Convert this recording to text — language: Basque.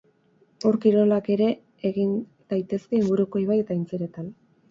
Ur kirolak ere egin daitezke inguruko ibai eta aintziretan.